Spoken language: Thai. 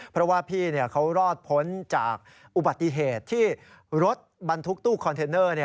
เพราะว่าพี่เขารอดพ้นจากอุบัติเหตุที่รถบรรทุกตู้คอนเทนเนอร์